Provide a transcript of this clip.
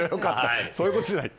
そういうことじゃない。